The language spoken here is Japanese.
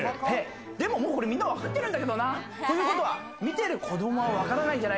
でも、これみんなわかってるんだけどな？ということは、見てる子供はわからないんじゃ？